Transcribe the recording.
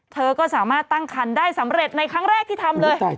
เธอก็สามารถตั้งคันได้สำเร็จในครั้งแรกที่ทำเลย